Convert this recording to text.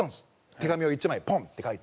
手紙を１枚ポンって書いて。